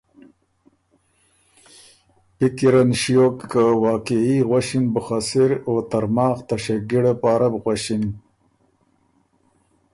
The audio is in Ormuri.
پِکراَن ݭیوک که واقعی غؤݭِن بُو خه سِر او ترماخ ته شېګِړه پاره بو غؤݭِن۔